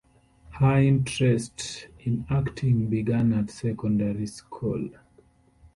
Her interest in acting began at secondary school.